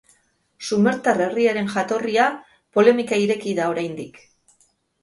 Sumertar herriaren jatorria polemika ireki da oraindik.